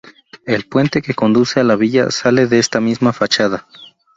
El puente que conduce a la villa sale de esta misma fachada.